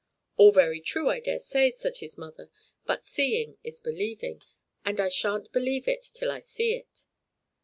"All very true, I dare say," said his mother; "but seeing is believing, and I shan't believe it till I see it."